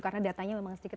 karena datanya memang sedikit